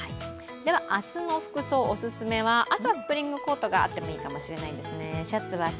では明日の服装、オススメは朝スプリングコートがあってもいいかもしれませんね。